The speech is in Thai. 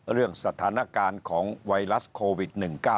สถานการณ์ของไวรัสโควิด๑๙